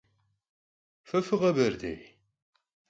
Fe fıkheberdêy?